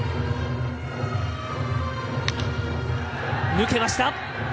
抜けました。